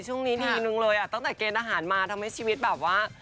ช่วงนี้ดีนึงเลยอ่ะตั้งแต่เกณฑ์อาหารมาทำให้ชีวิตแบบว่า